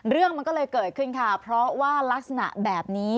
เรื่องมันก็เลยเกิดขึ้นค่ะเพราะว่ารักษณะแบบนี้